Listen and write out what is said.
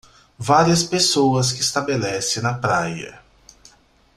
Várias pessoas que estabelece na praia.